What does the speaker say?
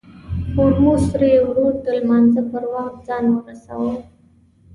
هورموز تري ورور د لمانځه پر وخت ځان ورساوه.